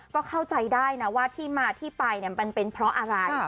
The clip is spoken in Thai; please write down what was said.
ก็เข้าใจได้นะว่าที่มาที่ไปมันเป็นเพราะอะไร